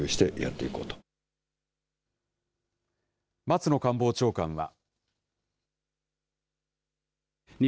松野官房長官は。